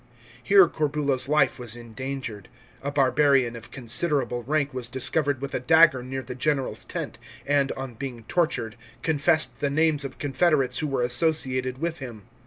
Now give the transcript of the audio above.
Here Corbulo's life was endangered. A barbarian of considerable rank was discovered with a dagger near the general's tent, and, on being tortured, confessed the names of confederates who were associated with him.